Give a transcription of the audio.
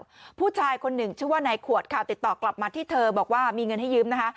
หรือเปล่าผู้ชายคนหนึ่งชื่อว่าในขวดขาบติดต่อกลับมาที่เธอบอกว่ามีเงินให้ยืมนะฮะ